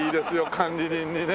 管理人にね。